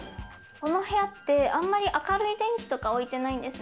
この部屋って、あまり明るい電気、置いてないんです。